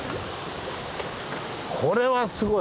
これはすごい。